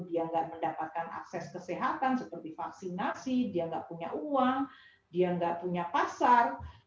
dia nggak mendapatkan akses kesehatan seperti vaksinasi dia nggak punya uang dia nggak punya pasar